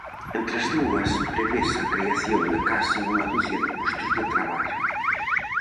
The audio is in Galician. Entre as dúas, prevese a creación de case unha ducia de postos de traballo.